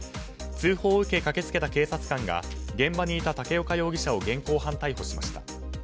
通報を受け、駆けつけた警察官が武岡容疑者を現行犯逮捕しました。